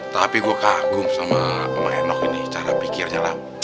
tapi gue kagum sama maenok ini cara pikirnya lah